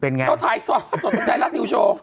ไทยส่วนสนใจแฟนก็จะไม่รู้ว่ามันไงต้องถ่ายส่วนสนใจรัฐนิวส์โชว์